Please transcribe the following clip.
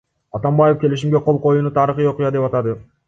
Атамбаев келишимге кол коюуну тарыхый окуя деп атады.